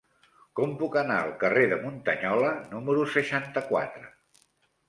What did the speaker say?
Com puc anar al carrer de Muntanyola número seixanta-quatre?